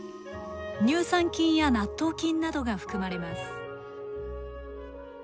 乳酸菌や納豆菌などが含まれます。